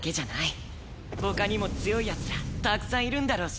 他にも強い奴らたくさんいるんだろうしね。